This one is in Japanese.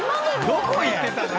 どこ行ってたの？